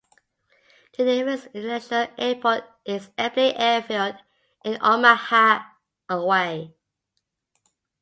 The nearest international airport is Eppley Airfield in Omaha, away.